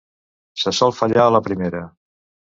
Se sol fallar a la primera.